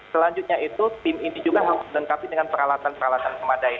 selanjutnya itu tim ini juga harus dilengkapi dengan peralatan peralatan pemadai